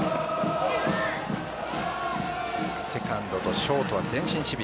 セカンドとショートは前進守備。